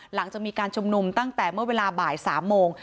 หลังจากมีการชุมนุมตั้งแต่เมื่อเวลาบ่าย๓โมง